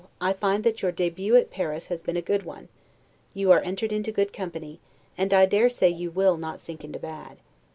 I find that your 'debut' at Paris has been a good one; you are entered into good company, and I dare say you will, not sink into bad.